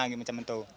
gitu macam itu